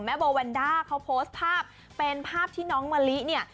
โบแวนด้าเขาโพสต์ภาพเป็นภาพที่น้องมะลิเนี่ย